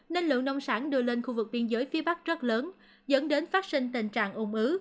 nên lượng nông sản đưa lên khu vực biên giới phía bắc rất lớn dẫn đến phát sinh tình trạng ủng ứ